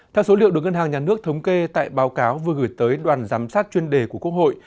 theo số liệu được ngân hàng nhà nước thống kê tại báo cáo vừa gửi tới đoàn giám sát chuyên đề của quốc hội